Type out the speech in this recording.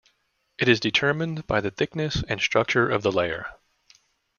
It is determined by the thickness and structure of the layer.